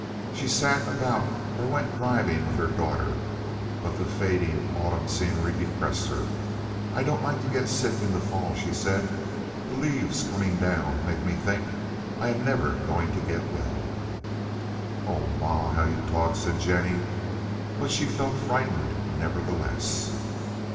She sat about or went driving with her daughter, but the fading autumn scenery depressed her. "I don't like to get sick in the fall," she said. "The leaves coming down make me think I am never going to get well." "Oh, ma, how you talk!" said Jennie; but she felt frightened, nevertheless.